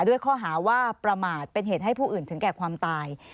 ด้วยข้อหาว่าประมาทเป็นเหตุให้ผู้อื่นถึงแก่ความตาย